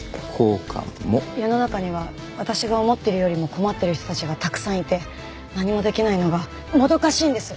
世の中には私が思ってるよりも困ってる人たちがたくさんいて何もできないのがもどかしいんです。